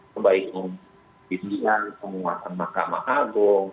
sebaik kemungkinan penguatan mahkamah agung